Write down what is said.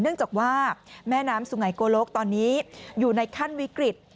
เนื่องจากว่าแม่น้ำสุไงโกลกตอนนี้อยู่ในขั้นวิกฤต